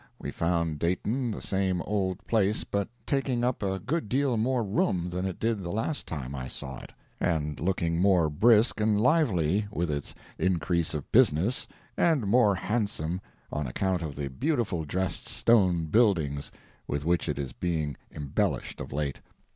We found Dayton the same old place but taking up a good deal more room than it did the last time I saw it, and looking more brisk and lively with its increase of business, and more handsome on account of the beautiful dressed stone buildings with which it is being embellished of late.